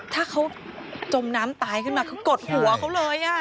ถ้าเขาจมน้ำตายขึ้นมาคือกดหัวเขาเลย